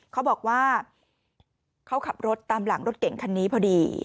เขาบอกว่าเขาขับรถตามหลังรถเก่งคันนี้พอดี